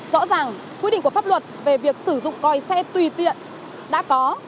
rõ ràng quy định của pháp luật về việc sử dụng coi xe tùy tiện đã có